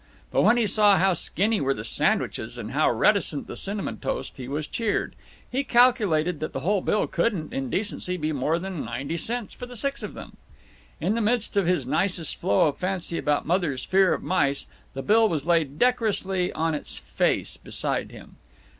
But when he saw how skinny were the sandwiches and how reticent the cinnamon toast he was cheered. He calculated that the whole bill couldn't, in decency, be more than ninety cents for the six of them. In the midst of his nicest flow of fancy about Mother's fear of mice, the bill was laid decorously on its face beside him.